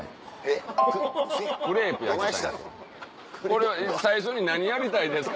これ最初に何やりたいですか？